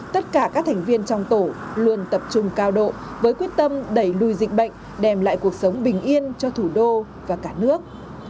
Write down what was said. tất cả các thành viên trong tổ luôn tập trung cao độ với quyết tâm đẩy lùi dịch bệnh đem lại cuộc sống bình yên cho thủ đô và cả nước